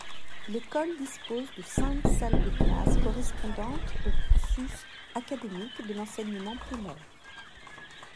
L'école dispose de cinq salles de classes correspondantes au cursus académique de l'enseignement primaire.